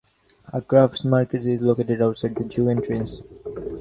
A crafts market is located outside the zoo entrance.